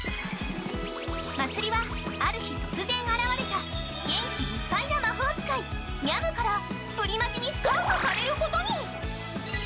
まつりはある日突然現れた元気いっぱいな魔法使いみゃむからプリマジにスカウトされることに。